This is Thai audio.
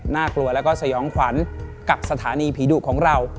กลัวแล้วก็สยองขวัญกับสถานีผีดุของเรา